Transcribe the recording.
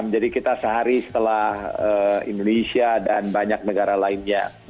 jadi kita sehari setelah indonesia dan banyak negara lainnya